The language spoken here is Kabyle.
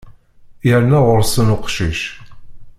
Yerna ɣur-sen uqcic.